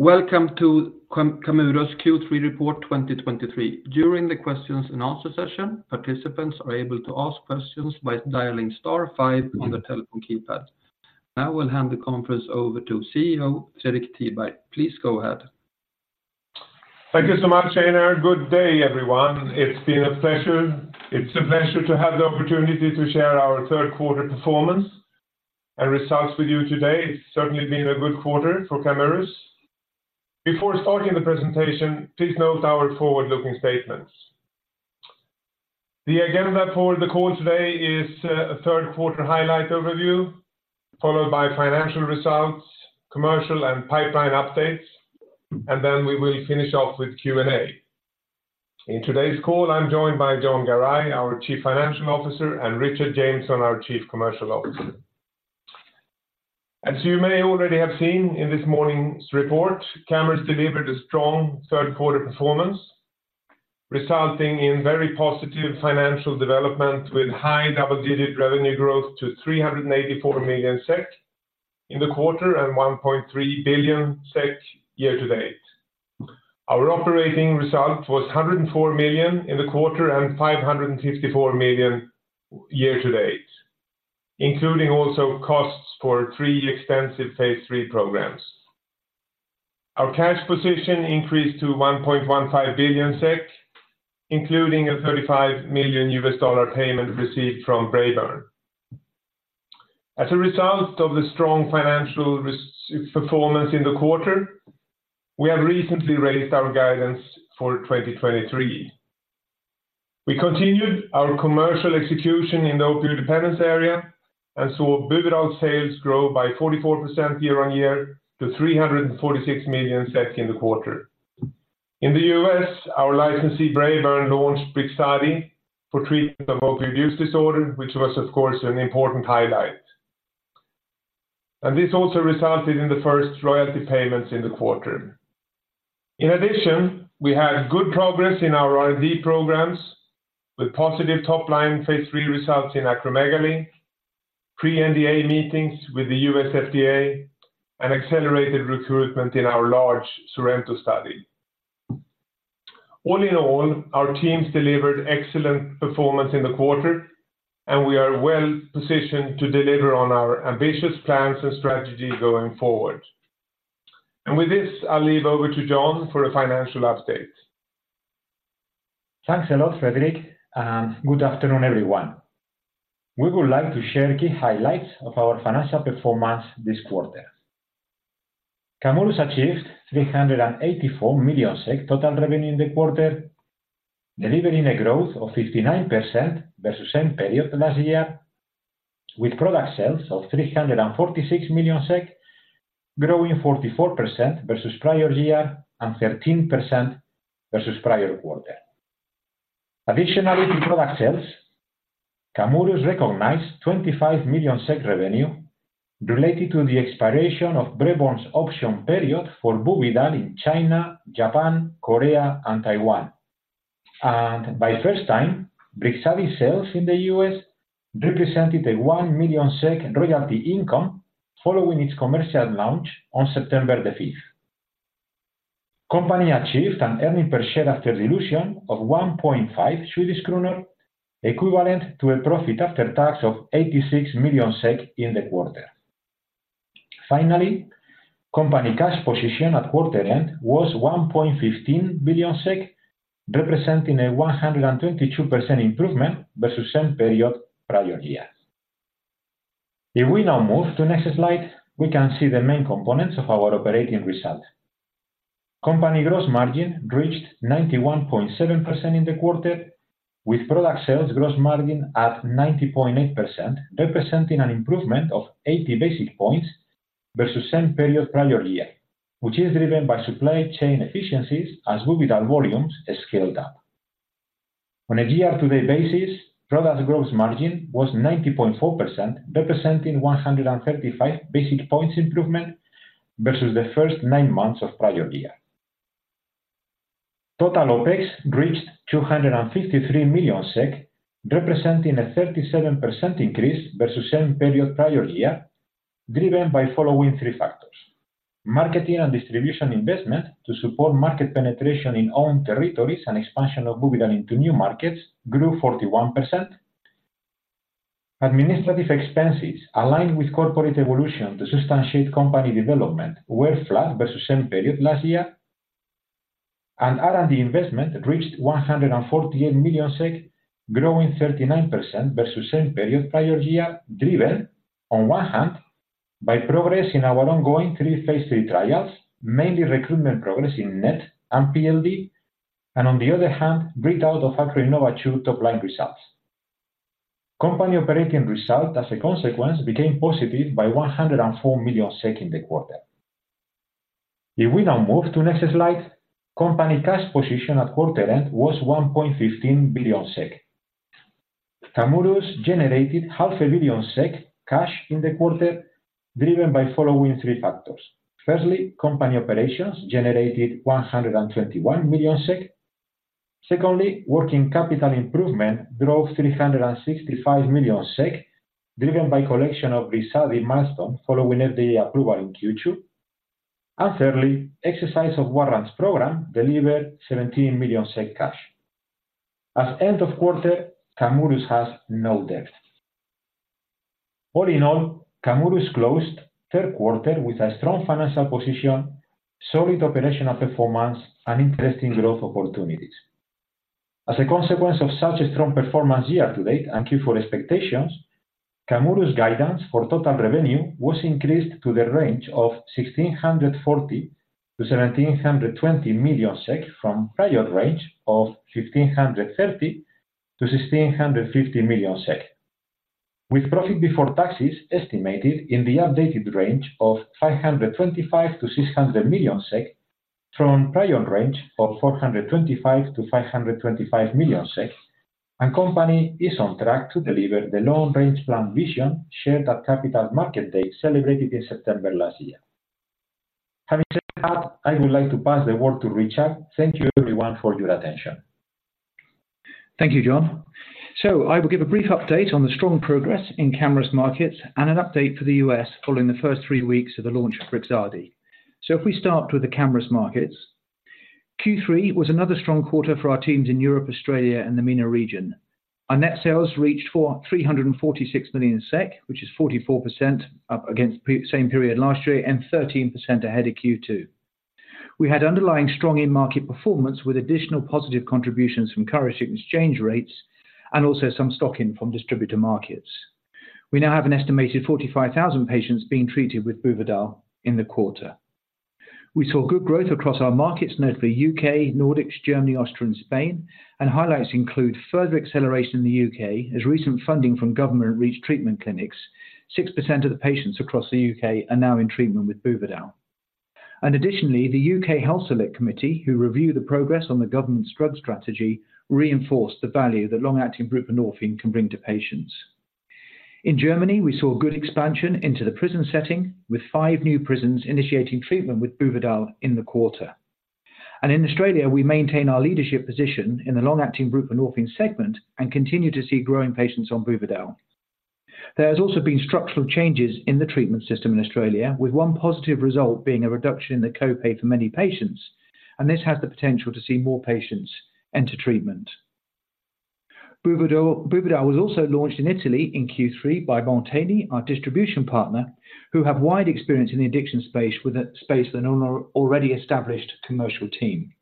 Welcome to Camurus' Q3 report 2023. During the questions and answer session, participants are able to ask questions by dialing star five on the telephone keypad. Now I will hand the conference over to CEO, Fredrik Tiberg. Please go ahead. Thank you so much, Einar. Good day, everyone. It's been a pleasure. It's a pleasure to have the opportunity to share our third quarter performance and results with you today. It's certainly been a good quarter for Camurus. Before starting the presentation, please note our forward-looking statements. The agenda for the call today is a third quarter highlight overview, followed by financial results, commercial and pipeline updates, and then we will finish off with Q&A. In today's call, I'm joined by Jon Garay, our Chief Financial Officer, and Richard Jameson, our Chief Commercial Officer. As you may already have seen in this morning's report, Camurus delivered a strong third quarter performance, resulting in very positive financial development, with high double-digit revenue growth to 384 million SEK in the quarter and 1.3 billion SEK year-to-date. Our operating result was 104 million in the quarter, and 554 million year-to-date, including also costs for 3 extensive phase 3 programs. Our cash position increased to 1.15 billion SEK, including a $35 million payment received from Braeburn. As a result of the strong financial performance in the quarter, we have recently raised our guidance for 2023. We continued our commercial execution in the opioid dependence area, and saw Buvidal sales grow by 44% year-on-year to 346 million in the quarter. In the US, our licensee, Braeburn, launched Brixadi for treatment of opioid use disorder, which was, of course, an important highlight. This also resulted in the first royalty payments in the quarter. In addition, we had good progress in our R&D programs, with positive top-line Phase 3 results in acromegaly, pre-NDA meetings with the US FDA, and accelerated recruitment in our large SORENTO study. All in all, our teams delivered excellent performance in the quarter, and we are well positioned to deliver on our ambitious plans and strategy going forward. With this, I'll hand over to Jon for a financial update. Thanks a lot, Fredrik, and good afternoon, everyone. We would like to share key highlights of our financial performance this quarter. Camurus achieved 384 million SEK total revenue in the quarter, delivering a growth of 59% versus same period last year, with product sales of 346 million SEK, growing 44% versus prior year and 13% versus prior quarter. Additionally, in product sales, Camurus recognized 25 million SEK revenue related to the expiration of Braeburn's option period for Buvidal in China, Japan, Korea, and Taiwan. And for the first time, Brixadi sales in the US represented a 1 million SEK royalty income following its commercial launch on September the fifth. Company achieved an earnings per share after dilution of 1.5 Swedish kronor, equivalent to a profit after tax of 86 million SEK in the quarter. Finally, company cash position at quarter end was 1.15 billion SEK, representing a 122% improvement versus same period prior year. If we now move to next slide, we can see the main components of our operating result. Company gross margin reached 91.7% in the quarter, with product sales gross margin at 90.8%, representing an improvement of 80 basis points versus same period prior year, which is driven by supply chain efficiencies as Buvidal volumes scaled up. On a year-to-date basis, product gross margin was 90.4%, representing 135 basis points improvement versus the first 9 months of prior year. Total OpEx reached 253 million SEK, representing a 37% increase versus same period prior year, driven by following three factors: Marketing and distribution investment to support market penetration in own territories and expansion of Buvidal into new markets grew 41%. Administrative expenses, aligned with corporate evolution to substantiate company development, were flat versus same period last year. R&D investment reached 148 million SEK, growing 39% versus same period prior year, driven, on one hand, by progress in our ongoing three phase 3 trials, mainly recruitment progress in NET and PLD, and on the other hand, read out of AcroInnova-2 top-line results. Company operating result, as a consequence, became positive by 104 million in the quarter. If we now move to next slide, company cash position at quarter end was 1.15 billion SEK. Camurus generated 500 million SEK cash in the quarter, driven by following three factors. Firstly, company operations generated 121 million SEK. Secondly, working capital improvement drove 365 million SEK, driven by collection of Brixadi milestone following FDA approval in Q2. And thirdly, exercise of warrants program delivered 17 million SEK cash. At end of quarter, Camurus has no debt. All in all, Camurus closed third quarter with a strong financial position, solid operational performance, and interesting growth opportunities. As a consequence of such a strong performance year to date and Q4 expectations, Camurus guidance for total revenue was increased to the range of 1,640 to 1,720 million SEK, from prior range of 1,530 to 1,650 million SEK. With profit before taxes estimated in the updated range of 525 to 600 million SEK, from prior range of 425 to 525 million SEK. Company is on track to deliver the long-range plan vision shared at Capital Markets Day celebrated in September last year. Having said that, I would like to pass the word to Richard. Thank you everyone for your attention. Thank you, Jon. I will give a brief update on the strong progress in Camurus markets, and an update for the US following the first three weeks of the launch of Brixadi. If we start with the Camurus markets, Q3 was another strong quarter for our teams in Europe, Australia, and the MENA region. Our net sales reached 346 million SEK, which is 44% up versus the same period last year, and 13% ahead of Q2. We had underlying strong in-market performance with additional positive contributions from currency exchange rates and also some stock in from distributor markets. We now have an estimated 45,000 patients being treated with Buvidal in the quarter. We saw good growth across our markets, notably UK, Nordics, Germany, Austria, and Spain. Highlights include further acceleration in the UK, as recent funding from government reached treatment clinics. 6% of the patients across the UK are now in treatment with Buvidal. Additionally, the UK Health Select Committee, who review the progress on the government's drug strategy, reinforced the value that long-acting buprenorphine can bring to patients. In Germany, we saw good expansion into the prison setting, with five new prisons initiating treatment with Buvidal in the quarter. In Australia, we maintain our leadership position in the long-acting buprenorphine segment and continue to see growing patients on Buvidal. There has also been structural changes in the treatment system in Australia, with one positive result being a reduction in the co-pay for many patients, and this has the potential to see more patients enter treatment. Buvidal was also launched in Italy in Q3 by Molteni, our distribution partner, who have wide experience in the addiction space, with an already established commercial team.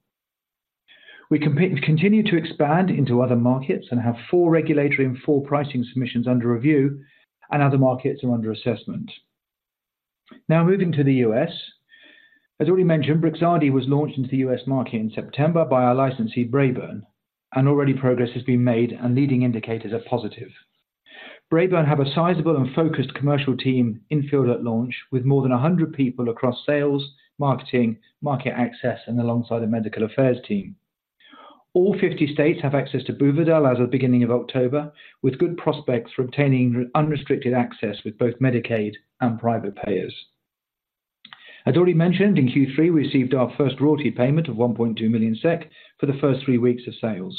We continue to expand into other markets and have four regulatory and four pricing submissions under review, and other markets are under assessment. Now, moving to the US. As already mentioned, Brixadi was launched into the US market in September by our licensee, Braeburn, and already progress has been made and leading indicators are positive. Braeburn have a sizable and focused commercial team in field at launch, with more than 100 people across sales, marketing, market access, and alongside the medical affairs team. All 50 states have access to Buvidal as of beginning of October, with good prospects for obtaining unrestricted access with both Medicaid and private payers. As already mentioned, in Q3, we received our first royalty payment of 1.2 million SEK for the first three weeks of sales.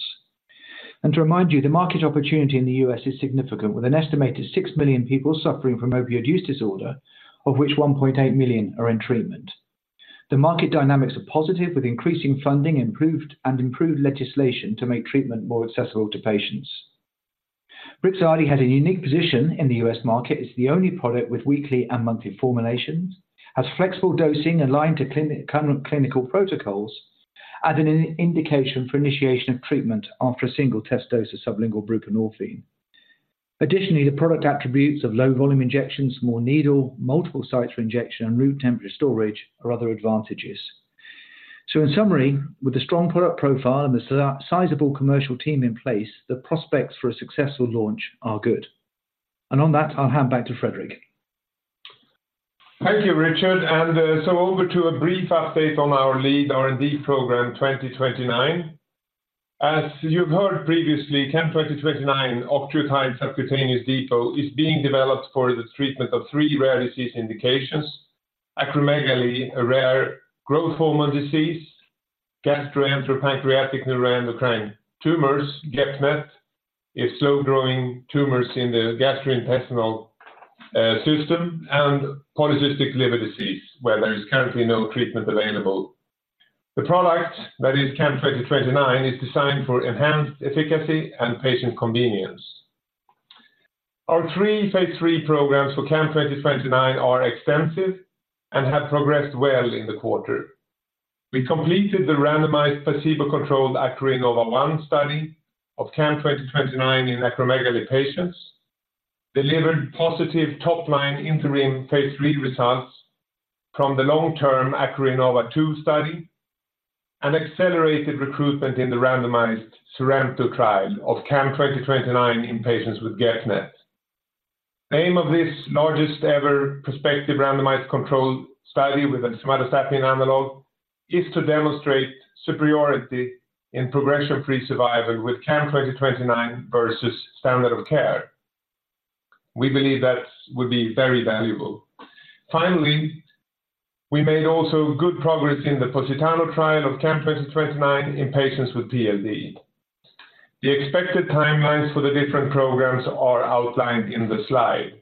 To remind you, the market opportunity in the US is significant, with an estimated 6 million people suffering from opioid use disorder, of which 1.8 million are in treatment. The market dynamics are positive, with increasing funding, improved, and improved legislation to make treatment more accessible to patients. Brixadi has a unique position in the US market. It's the only product with weekly and monthly formulations, has flexible dosing aligned to current clinical protocols, and an indication for initiation of treatment after a single test dose of sublingual buprenorphine. Additionally, the product attributes of low volume injections, small needle, multiple sites for injection, and room temperature storage are other advantages. In summary, with a strong product profile and the sizable commercial team in place, the prospects for a successful launch are good. On that, I'll hand back to Fredrik. Thank you, Richard. So, over to a brief update on our lead R&D program, 2029. As you've heard previously, CAM2029 octreotide subcutaneous depot is being developed for the treatment of three rare disease indications. Acromegaly, a rare growth hormone disease. Gastroenteropancreatic neuroendocrine tumors, GEP-NET, is slow-growing tumors in the gastrointestinal system. And polycystic liver disease, where there is currently no treatment available. The product, that is CAM2029, is designed for enhanced efficacy and patient convenience. Our three phase 3 programs for CAM2029 are extensive and have progressed well in the quarter. We completed the randomized placebo-controlled AcroInnova-1 study of CAM2029 in acromegaly patients, delivered positive top-line interim phase 3 results from the long-term AcroInnova-2 study, and accelerated recruitment in the randomized SORENTO trial of CAM2029 in patients with GEP-NET. Aim of this largest ever prospective randomized controlled study with a Somatostatin analog is to demonstrate superiority in Progression-free survival with CAM2029 versus standard of care. We believe that would be very valuable. Finally, we made also good progress in the POSITANO trial of CAM2029 in patients with PLD. The expected timelines for the different programs are outlined in the slide.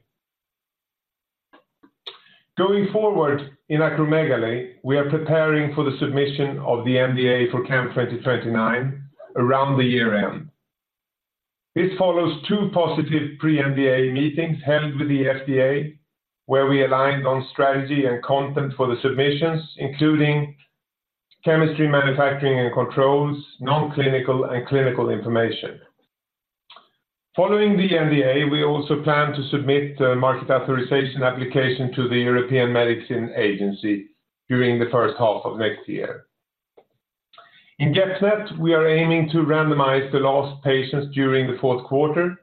Going forward, in acromegaly, we are preparing for the submission of the NDA for CAM2029 around the year end. This follows two positive pre-NDA meetings held with the FDA, where we aligned on strategy and content for the submissions, including chemistry, manufacturing, and controls, non-clinical and clinical information. Following the NDA, we also plan to submit Market Authorization Application to the European Medicines Agency during the first half of next year. In GEP-NET, we are aiming to randomize the last patients during the fourth quarter,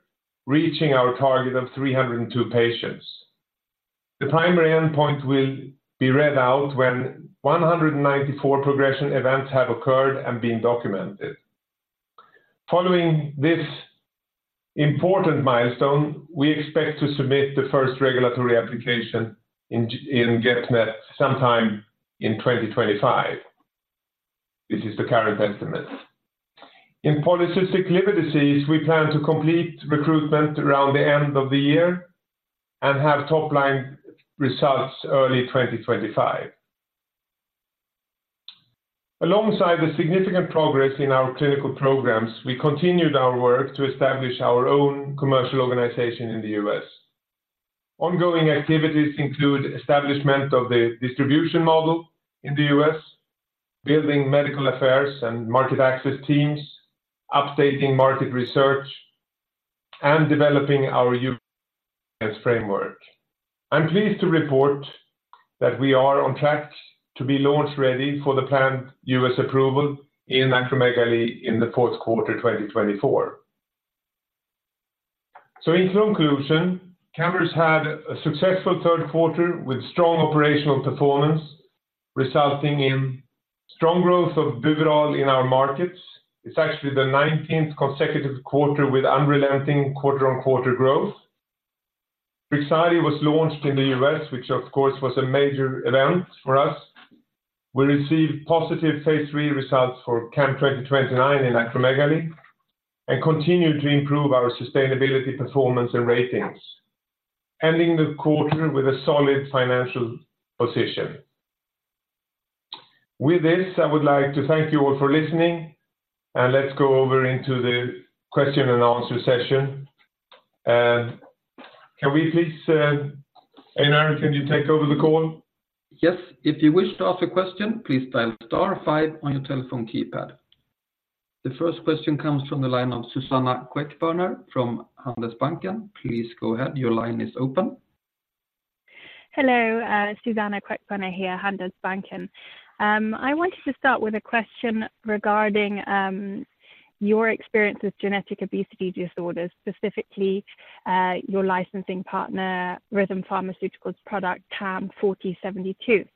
reaching our target of 302 patients. The primary endpoint will be read out when 194 progression events have occurred and been documented. Following this important milestone, we expect to submit the first regulatory application in GEP-NET sometime in 2025. This is the current estimate. In polycystic liver disease, we plan to complete recruitment around the end of the year and have top-line results early 2025. Alongside the significant progress in our clinical programs, we continued our work to establish our own commercial organization in the US. Ongoing activities include establishment of the distribution model in the US, building medical affairs and market access teams, updating market research, and developing our US framework. I'm pleased to report that we are on track to be launch-ready for the planned US approval in acromegaly in the fourth quarter, 2024. So in conclusion, Camurus had a successful third quarter with strong operational performance, resulting in strong growth of Buvidal in our markets. It's actually the 19th consecutive quarter with unrelenting quarter-on-quarter growth. Brixadi was launched in the US, which of course, was a major event for us. We received positive phase 3 results for CAM2029 in acromegaly, and continued to improve our sustainability, performance, and ratings, ending the quarter with a solid financial position. With this, I would like to thank you all for listening, and let's go over into the question and answer session. Can we please, Einar, can you take over the call? Yes. If you wish to ask a question, please dial star five on your telephone keypad. The first question comes from the line of Susanna Queckburner from Handelsbanken. Please go ahead. Your line is open. Hello, Susanna Queckbörner here, Handelsbanken. I wanted to start with a question regarding your experience with genetic obesity disorders, specifically, your licensing partner, Rhythm Pharmaceuticals product, CAM4072.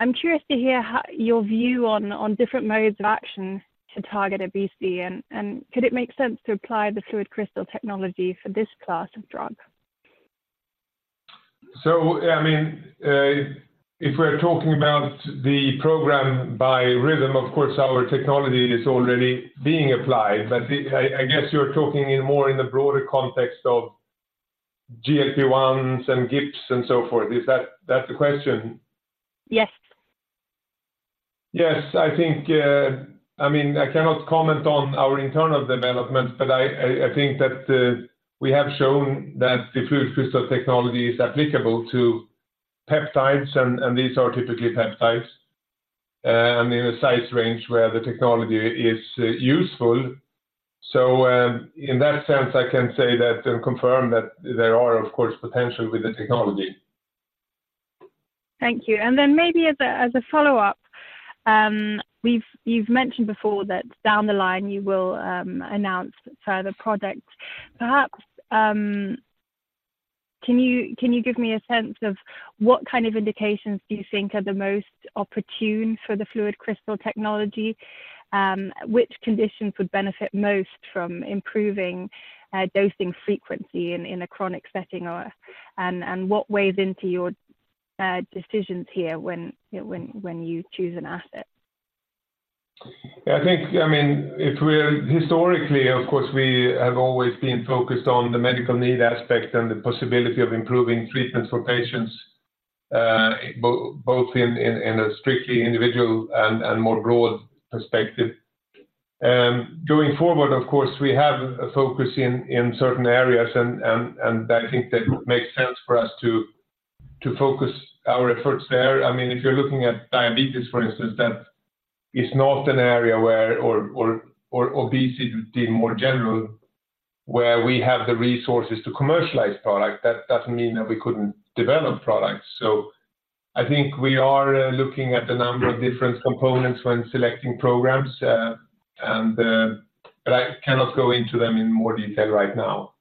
I'm curious to hear how... Your view on, on different modes of action to target obesity, and, and could it make sense to apply the FluidCrystal technology for this class of drug? So, I mean, if we're talking about the program by Rhythm, of course, our technology is already being applied. But I guess you're talking in more the broader context of GLP-1s and GIPs and so forth. Is that the question? Yes. Yes, I think, I mean, I cannot comment on our internal development, but I think that we have shown that the FluidCrystal technology is applicable to peptides, and these are typically peptides, I mean, a size range where the technology is useful. So, in that sense, I can say that and confirm that there are, of course, potential with the technology. Thank you. Then maybe as a follow-up, you've mentioned before that down the line you will announce further products. Perhaps, can you give me a sense of what kind of indications do you think are the most opportune for the FluidCrystal technology? Which conditions would benefit most from improving dosing frequency in a chronic setting or and what weighs into your decisions here when you choose an asset? I think, I mean, if we're historically, of course, we have always been focused on the medical need aspect and the possibility of improving treatment for patients, both in a strictly individual and more broad perspective. Going forward, of course, we have a focus in certain areas, and I think that would make sense for us to focus our efforts there. I mean, if you're looking at diabetes, for instance, that is not an area where or obesity, more general, where we have the resources to commercialize product. That doesn't mean that we couldn't develop products. So I think we are looking at the number of different components when selecting programs, and, but I cannot go into them in more detail right now.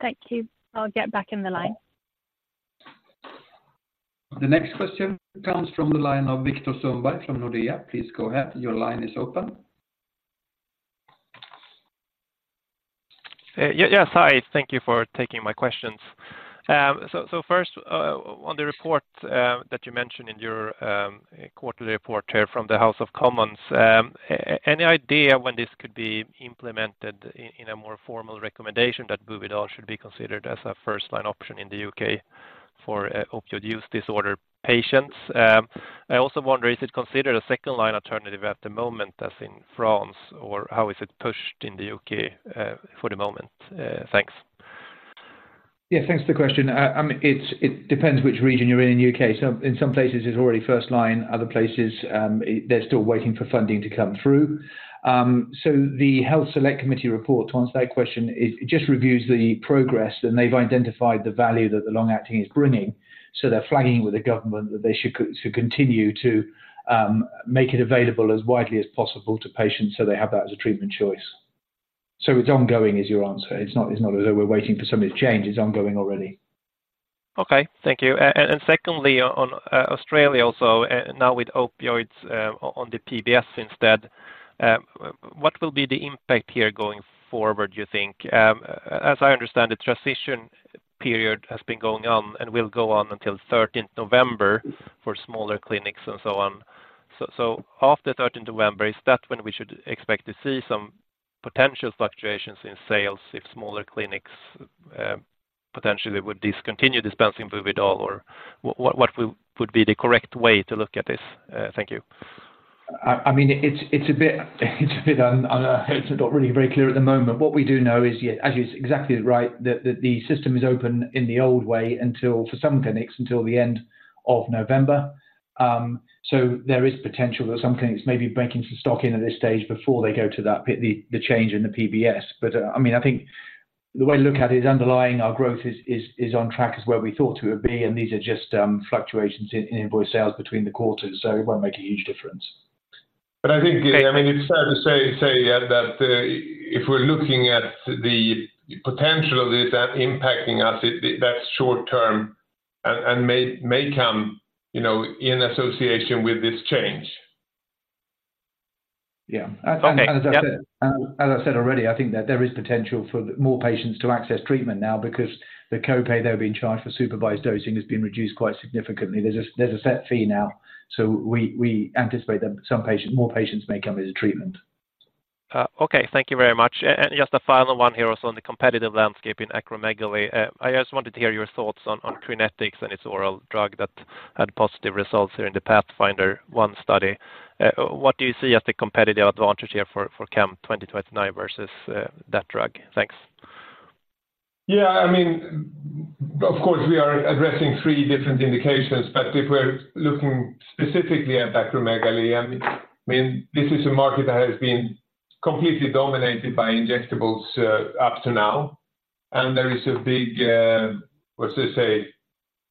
Thank you. I'll get back in the line. ... The next question comes from the line of Viktor Sundberg from Nordea. Please go ahead, your line is open. Yeah, yes, hi. Thank you for taking my questions. So first, on the report that you mentioned in your quarterly report here from the House of Commons, any idea when this could be implemented in a more formal recommendation that Buvidal should be considered as a first-line option in the UK for opioid use disorder patients? I also wonder, is it considered a second-line alternative at the moment, as in France, or how is it pushed in the UK for the moment? Thanks. Yeah, thanks for the question. I mean, it depends which region you're in, in the UK. So in some places, it's already first line, other places, they're still waiting for funding to come through. So the Health Select Committee report, to answer that question, it just reviews the progress, and they've identified the value that the long-acting is bringing. So they're flagging with the government that they should continue to make it available as widely as possible to patients, so they have that as a treatment choice. So it's ongoing, is your answer. It's not as though we're waiting for something to change. It's ongoing already. Okay. Thank you. And secondly, on Australia also, now with opioids, on the PBS instead, what will be the impact here going forward, do you think? As I understand, the transition period has been going on and will go on until thirteenth November for smaller clinics and so on. So after thirteenth November, is that when we should expect to see some potential fluctuations in sales, if smaller clinics potentially would discontinue dispensing Buvidal, or what would be the correct way to look at this? Thank you. I mean, it's a bit, it's not really very clear at the moment. What we do know is, yeah, as you're exactly right, that the system is open in the old way until, for some clinics, until the end of November. So there is potential that some clinics may be breaking some stock in at this stage before they go to the change in the PBS. But I mean, I think the way I look at it is underlying our growth is on track as where we thought it would be, and these are just fluctuations in invoice sales between the quarters, so it won't make a huge difference. I think, I mean, it's fair to say that if we're looking at the potential of this impacting us, that's short term and may come, you know, in association with this change. Yeah. Okay. Yep. As I said, as I said already, I think that there is potential for more patients to access treatment now because the co-pay they're being charged for supervised dosing has been reduced quite significantly. There's a set fee now, so we anticipate that some patients—more patients may come into treatment. Okay. Thank you very much. And, and just a final one here also on the competitive landscape in acromegaly. I just wanted to hear your thoughts on, on Crinetics and its oral drug that had positive results here in the Pathfinder one study. What do you see as the competitive advantage here for, for CAM2029 versus, that drug? Thanks. Yeah, I mean, of course, we are addressing three different indications, but if we're looking specifically at acromegaly, I mean, this is a market that has been completely dominated by injectables up to now. There is a big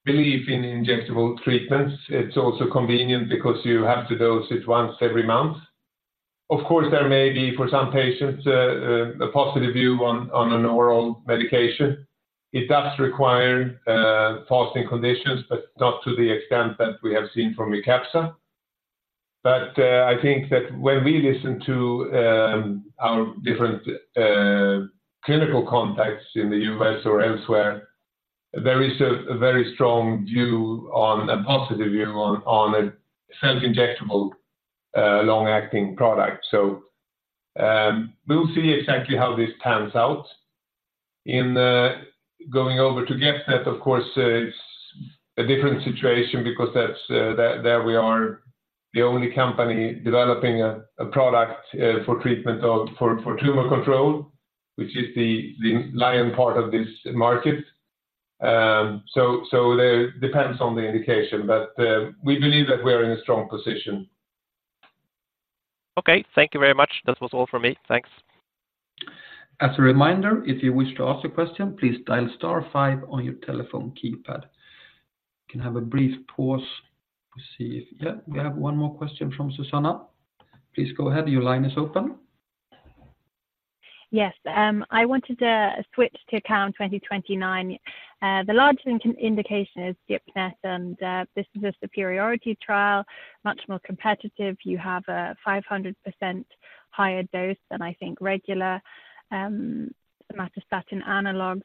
belief in injectable treatments. It's also convenient because you have to dose it once every month. Of course, there may be, for some patients, a positive view on an oral medication. It does require fasting conditions, but not to the extent that we have seen from Mycapssa. But I think that when we listen to our different clinical contacts in the US or elsewhere, there is a very strong view on a positive view on a self-injectable long-acting product. So, we'll see exactly how this pans out. Going over to GEP-NET, of course, is a different situation because that's there we are the only company developing a product for treatment of tumor control, which is the lion part of this market. So there depends on the indication, but we believe that we are in a strong position. Okay. Thank you very much. That was all from me. Thanks. As a reminder, if you wish to ask a question, please dial star five on your telephone keypad. Yeah, we have one more question from Susanna. Please go ahead. Your line is open. Yes. I wanted to switch to CAM2029. The largest indication is GEP-NET, and this is a superiority trial, much more competitive. You have a 500% higher dose than, I think, regular somatostatin analog.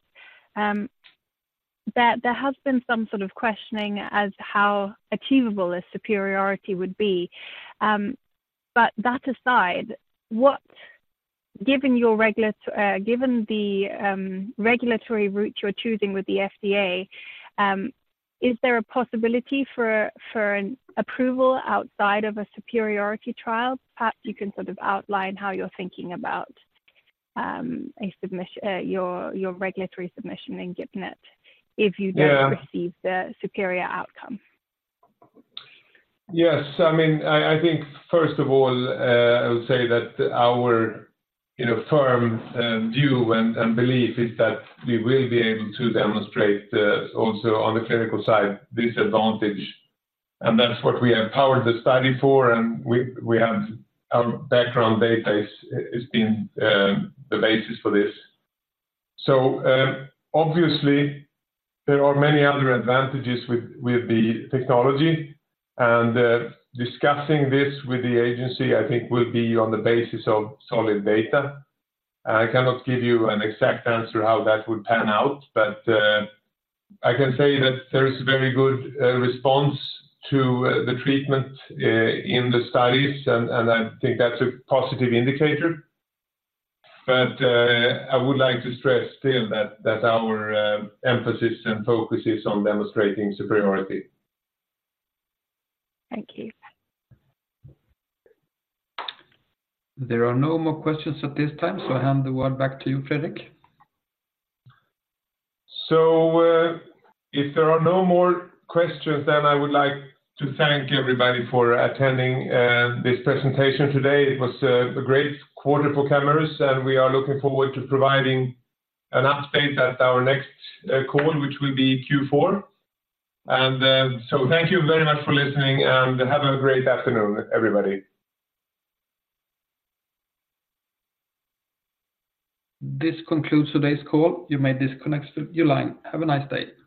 There has been some sort of questioning as how achievable a superiority would be. But that aside, given your regulatory route you're choosing with the FDA, is there a possibility for an approval outside of a superiority trial? Perhaps you can sort of outline how you're thinking about your regulatory submission in GEP-NET- Yeah... if you don't receive the superior outcome. Yes. I mean, I think first of all, I would say that our, you know, firm view and belief is that we will be able to demonstrate also on the clinical side, this advantage, and that's what we have powered the study for, and we have- our background data is been the basis for this. So, obviously, there are many other advantages with the technology. And discussing this with the agency, I think will be on the basis of solid data. I cannot give you an exact answer how that would pan out, but I can say that there is a very good response to the treatment in the studies, and I think that's a positive indicator. But, I would like to stress still that our emphasis and focus is on demonstrating superiority. Thank you. There are no more questions at this time, so I hand the word back to you, Fredrik. So, if there are no more questions, then I would like to thank everybody for attending this presentation today. It was a great quarter for Camurus, and we are looking forward to providing an update at our next call, which will be Q4. And so thank you very much for listening, and have a great afternoon, everybody. This concludes today's call. You may disconnect your line. Have a nice day.